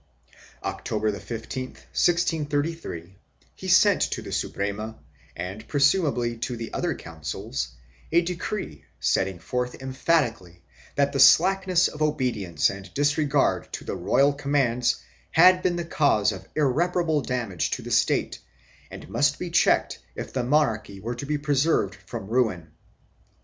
October 15, 1633, he sent to the Suprema, and pre sumably to the other councils, a decree setting forth emphatically that the slackness of obedience and disregard of the royal com mands had been the cause of irreparable damage to the State and must be checked if the monarchy were to be preserved from ruin.